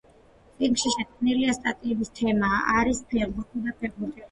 წიგნში შეტანილი სტატიების თემა არის ფეხბურთი და ფეხბურთელები.